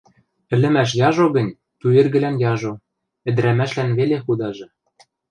Ӹлӹмӓш яжо гӹнь, пӱэргӹлӓн яжо, ӹдӹрӓмӓшлӓн веле худажы.